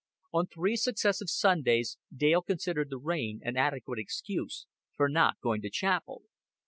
On three successive Sundays Dale considered the rain an adequate excuse for not going to chapel.